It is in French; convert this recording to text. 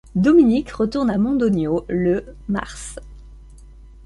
Dominique retourne à Mondonio le mars.